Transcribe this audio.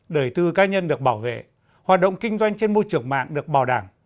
đời tư cá nhân được bảo vệ hoạt động kinh doanh trên môi trường mạng được bảo đảm